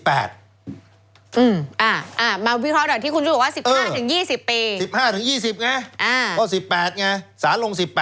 มาวิเคราะห์ดอกที่คุณพูดว่า๑๕ถึง๒๐ปี